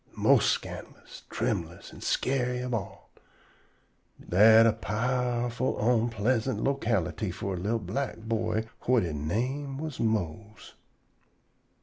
mos' scandalous, trembulous an' scary ob all. Dat a powerful onpleasant locality for a li'l black boy whut he name was Mose.